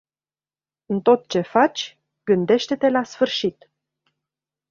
În tot ce faci, gândește-te la sfârșit.